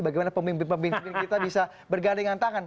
bagaimana pemimpin pemimpin kita bisa berganda dengan tangan